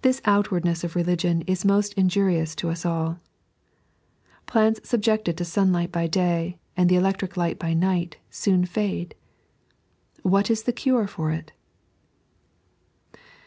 This outwardness of religion is most injurious to us all. Plants subjected to sunlight by day and the electric light by night soon fade. What, is the cure for it